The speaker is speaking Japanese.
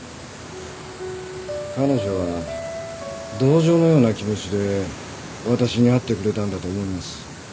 彼女は同情のような気持ちで私に会ってくれたんだと思います。